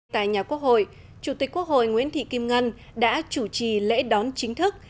tại nhà quốc hội chủ tịch quốc hội nguyễn thị kim ngân đã chủ trì lễ đón chính thức